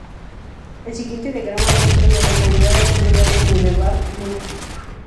El siguiente diagrama muestra a las localidades en un radio de de Bar Nunn.